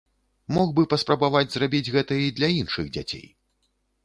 Мог бы паспрабаваць зрабіць гэта і для іншых дзяцей.